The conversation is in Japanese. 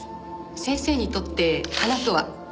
先生にとって花とは？